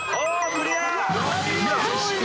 クリア！